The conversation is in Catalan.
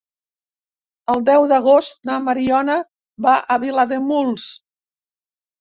El deu d'agost na Mariona va a Vilademuls.